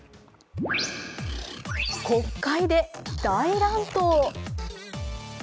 国会で大乱闘。